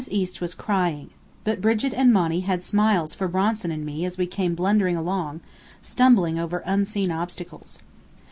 East was crying. But Brigit and Monny had smiles for Bronson and me as we came blundering along, stumbling over unseen obstacles.